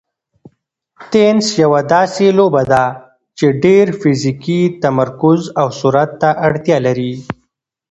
تېنس یوه داسې لوبه ده چې ډېر فزیکي تمرکز او سرعت ته اړتیا لري.